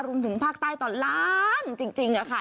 รวมถึงภาคใต้ตอนล่างจริงค่ะ